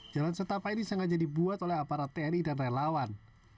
jalan setapa ini sengaja dibuat oleh aparat tni dan relawan